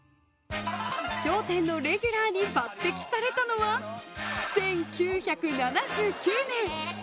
「笑点」のレギュラーに抜擢されたのは１９７９年。